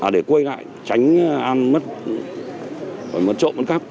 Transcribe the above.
để quây lại tránh ăn mất mất trộm mất các